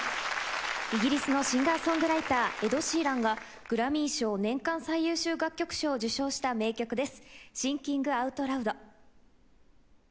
イギリスのシンガーソングライターエド・シーランがグラミー賞年間最優秀楽曲賞を受賞した名曲です。